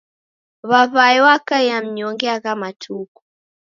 W'aw'ae wakaia mnyonge agha matuku.